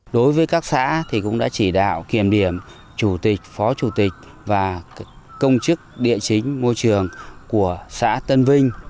đối với các xã thì cũng đã chỉ đạo kiểm điểm chủ tịch phó chủ tịch và công chức địa chính môi trường của xã tân vinh